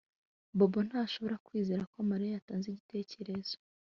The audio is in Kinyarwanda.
Bobo ntashobora kwizera ko Mariya yatanze igitekerezo